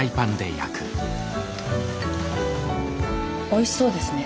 おいしそうですね。